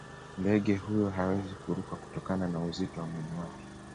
ndege huyo hawezi kuruka kutokana na uzito wa mwili wake